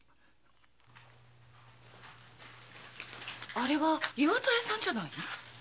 あれは岩田屋さんじゃない？